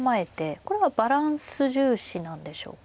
これはバランス重視なんでしょうか。